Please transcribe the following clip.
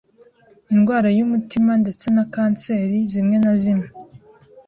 indwara y'umutima ndetse na kanseri zimwe na zimwe.